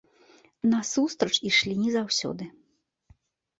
Насустрач ішлі не заўсёды.